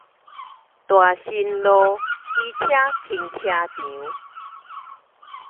大新路機車停車場